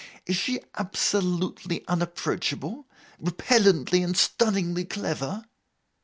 Is she absolutely unapproachable? Repellently and stunningly clever?